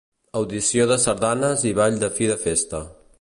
Audició de sardanes i ball de fi de festa.